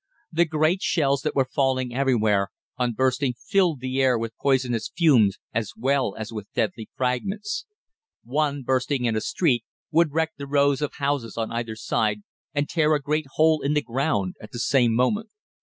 The great shells that were falling everywhere, on bursting filled the air with poisonous fumes, as well as with deadly fragments. One bursting in a street would wreck the rows of houses on either side, and tear a great hole in the ground at the same moment.